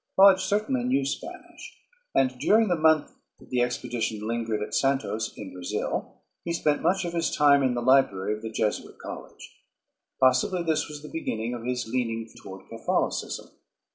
Lodge certainly knew Spanish; and during the month that the expedition lingered at Santos in Brazil, he spent much of his time in the library of the Jesuit College. Possibly this was the beginning of his leaning toward Catholicism.